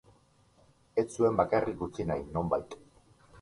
Ez zuen bakarrik utzi nahi, nonbait.